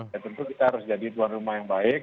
ya tentu kita harus jadi tuan rumah yang baik